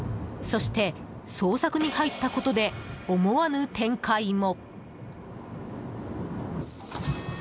そして、捜索に入ったことで思わぬ展開も。